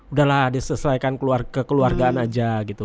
udah lah disesuaikan kekeluargaan aja gitu